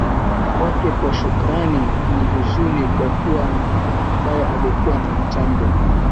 wake kwa shukrani na huzuni kwa kuwa ni mtu ambaye alikuwa na mchango